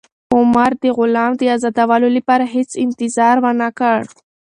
عمر د غلام د ازادولو لپاره هېڅ انتظار ونه کړ.